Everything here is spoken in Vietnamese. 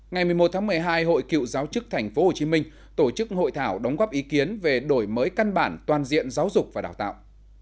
ngày một mươi một tháng một mươi hai hội cựu giáo chức tp hcm tổ chức hội thảo đóng góp ý kiến về đổi mới căn bản toàn diện giáo dục và đào tạo